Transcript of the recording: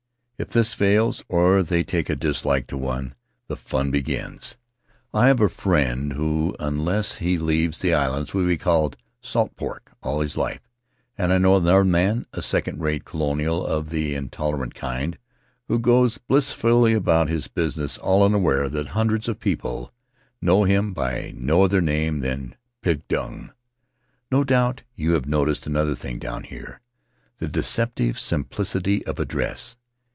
If this fails, or if they take a dislike to one, the fun begins. I have a friend who, A Memory of Mauke unless he leaves the islands, will be called Salt Pork all his life; and I know another man — a second rate colonial of the intolerant kind — who goes blissfully about his business all unaware that hundreds of people know him by no other name than Pig Dung. No doubt you have noticed another thing down here — the deceptive simplicity of address.